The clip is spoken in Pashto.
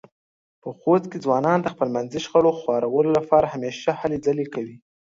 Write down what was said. په خوست کې ځوانان د خپلمنځې شخړو خوارولو لپاره همېشه هلې ځلې کوي.